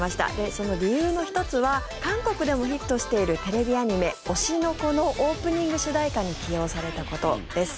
その理由の１つは韓国でもヒットしているテレビアニメ「推しの子」のオープニング主題歌に起用されたことです。